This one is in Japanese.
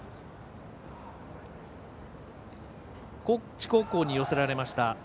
高知高校に寄せられました